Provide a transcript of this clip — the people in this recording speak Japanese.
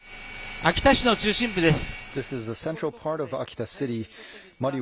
秋田市の中心部です。